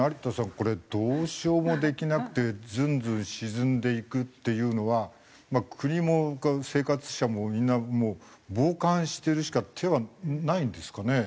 これどうしようもできなくてズンズン沈んでいくっていうのは国も生活者もみんなもう防寒してるしか手はないんですかね？